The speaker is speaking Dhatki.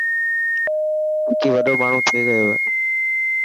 وڪي وڏو ماڻهو ٿي گيو هي.